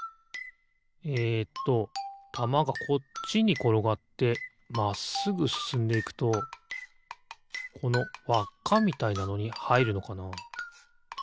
えっとたまがこっちにころがってまっすぐすすんでいくとこのわっかみたいなのにはいるのかな？